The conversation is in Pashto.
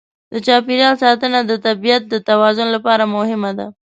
د چاپېریال ساتنه د طبیعت د توازن لپاره مهمه ده.